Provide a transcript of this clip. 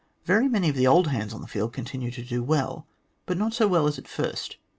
Very many of the old hands on the field continue to do well, but not so well as at first.